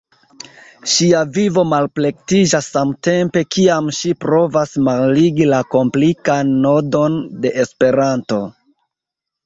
Ŝia vivo malplektiĝas samtempe kiam ŝi provas malligi la komplikan nodon de Esperanto.